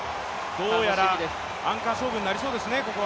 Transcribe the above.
どうやらアンカー勝負なりそうですね。